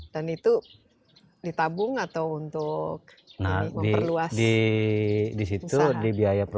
dan itu ditabung atau untuk memperluas usaha